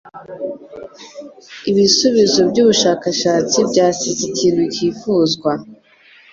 Ibisubizo byubushakashatsi byasize ikintu cyifuzwa.